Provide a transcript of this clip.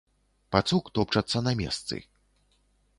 Пацук топчацца на месцы.